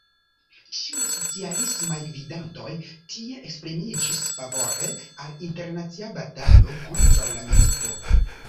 Ĉiuj socialismaj gvidantoj tie esprimiĝis favore al internacia batalo kontraŭ la milito.